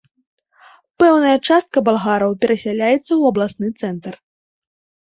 Пэўная частка балгараў перасяляецца ў абласны цэнтр.